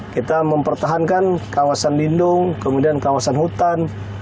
kita mempertahankan kawasan lindung kemudian kawasan hutan